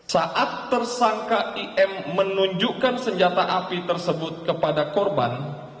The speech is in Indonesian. saat tersangka im menunjukkan senjata api tersebut kepada korban